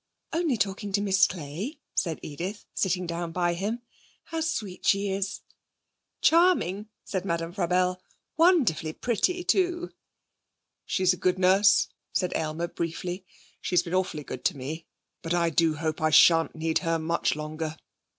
'Only talking to Miss Clay,' said Edith, sitting down by him. 'How sweet she is.' 'Charming,' said Madame Frabelle. 'Wonderfully pretty, too.' 'She's a good nurse,' said Aylmer briefly. 'She's been awfully good to me. But I do hope I shan't need her much longer.'